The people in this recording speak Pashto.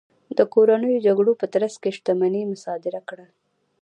د کورنیو جګړو په ترڅ کې شتمنۍ مصادره کړل.